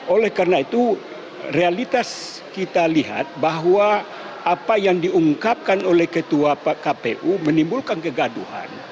oleh karena itu realitas kita lihat bahwa apa yang diungkapkan oleh ketua kpu menimbulkan kegaduhan